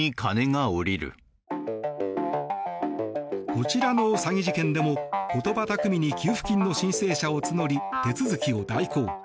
こちらの詐欺事件でも言葉巧みに給付金の申請者を募り手続きを代行。